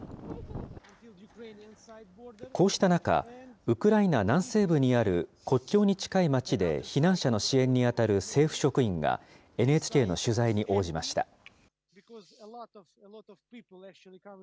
こうした中、ウクライナ南西部にある、国境に近い町で、避難者の支援に当たる政府職員が、ＮＨＫの取材に応じました。